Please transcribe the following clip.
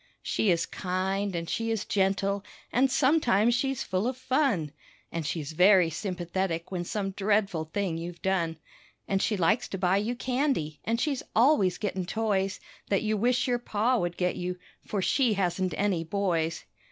She is kind an' she is gentle, an' sometimes she's full of fun, An' she's very sympathetic when some dreadful thing you've done. An' she likes to buy you candy, an' she's always gettin' toys That you wish your Pa would get you, for she hasn't any boys.